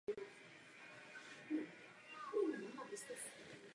Zaměření nakladatelství se tehdy změnilo především na soudobou českou tvorbu.